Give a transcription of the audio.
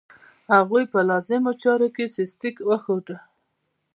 هغوی په لازمو چارو کې سستي وښوده.